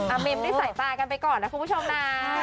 เมมด้วยสายตากันไปก่อนนะคุณผู้ชมนะ